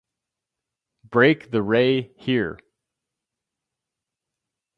Break the ray here.